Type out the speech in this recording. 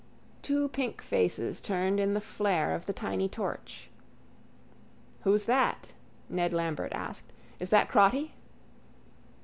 Two pink faces turned in the flare of the tiny torch. —Who's that? Ned Lambert asked. Is that Crotty?